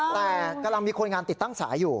แต่กำลังมีคนงานติดตั้งสายอยู่